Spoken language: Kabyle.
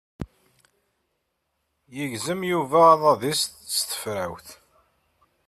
Yegzem Yuba aḍad-is s tefrawt.